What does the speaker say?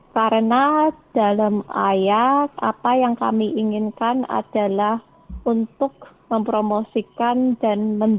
karena dalam aya apa yang kami inginkan adalah untuk mempromosikan dan membantu